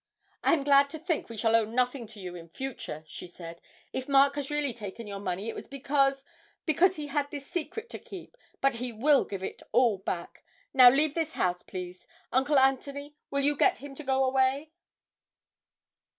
'I am glad to think we shall owe nothing to you in future,' she said. 'If Mark has really taken your money, it was because because he had this secret to keep; but he will give it all back. Now leave the house, please. Uncle Antony, will you get him to go away.'